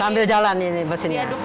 sambil jalan ini diaduk juga